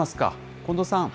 近藤さん。